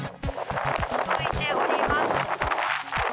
ふぶいております。